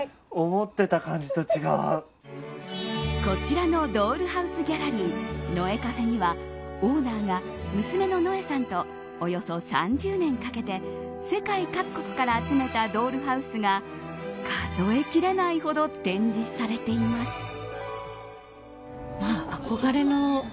こちらのドールハウスギャラリーノエカフェにはオーナーが、娘ののえさんとおよそ３０年かけて世界各国から集めたドールハウスが数え切れないほど展示されています。